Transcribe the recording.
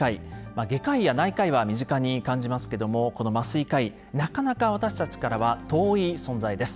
外科医や内科医は身近に感じますけどもこの麻酔科医なかなか私たちからは遠い存在です。